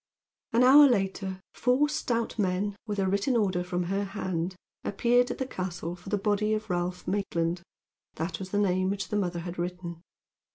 An hour later four stout men, with a written order from her hand, appeared at the castle for the body of Ralph Maitland. That was the name which the mother had written.